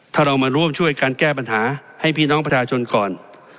ถ้าเรามาร่วมช่วยการแก้ปัญหาให้พี่น้องประชาชนก่อน